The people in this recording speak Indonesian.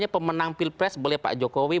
pemenang pilpres boleh pak jokowi